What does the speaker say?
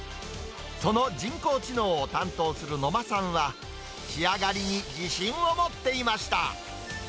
その人工知能を担当する野間さんは、仕上がりに自信を持っていました。